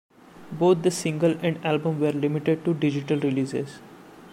Both the single and album were limited to digital releases.